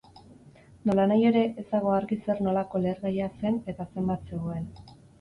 Nolanahi ere, ez dago argi zer-nolako lehergaia zen eta zenbat zegoen.